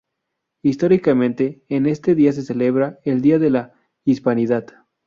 Históricamente, en este día se celebra el día de la Hispanidad.